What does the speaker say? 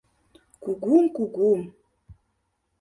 Кугум-кугум.